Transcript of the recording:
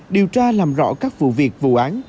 điều tra làm rõ các vụ việc vụ án